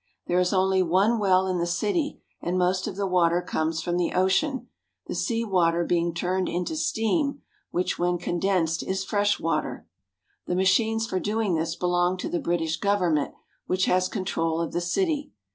There is only one well in the city, and most of the water comes from the ocean, the sea water being turned into steam which when condensed is fresh water. The machines for doing this belong to the British government, which has control of the city.